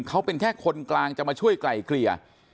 เขาเป็นแค่คนกลางจะมาช่วยไกลเกลี่ย